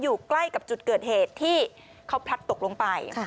อยู่ใกล้กับจุดเกิดเหตุที่เขาพลัดตกลงไป